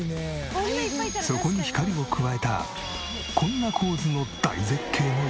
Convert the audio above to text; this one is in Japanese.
そこに光を加えたこんな構図の大絶景の一枚。